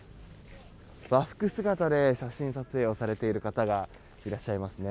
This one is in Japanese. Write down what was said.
和服姿で写真撮影をされている方がいらっしゃいますね。